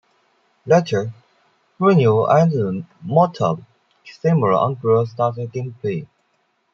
Later, Guionneau added multiple camera angles during game-play.